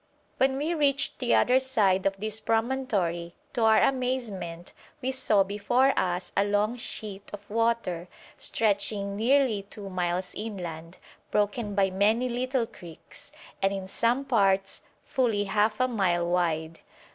When we reached the other side of this promontory, to our amazement we saw before us a long sheet of water, stretching nearly two miles inland, broken by many little creeks, and in some parts fully half a mile wide.